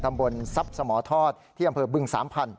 ตำบลทรัพย์สมทรทที่อำเภอบึงสามพันธุ์